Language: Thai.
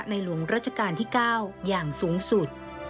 หลวงราชการที่๙อย่างสูงสุด